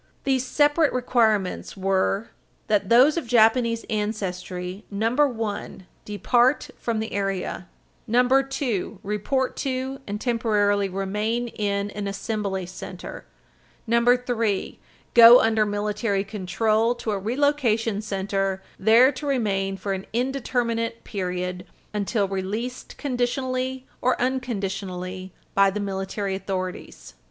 These separate requirements were that those of Japanese ancestry (1) depart from the area; (2) report to and temporarily remain in an assembly center; (3) go under military control to a relocation center, there to remain for an indeterminate period until released conditionally or unconditionally by the military authorities.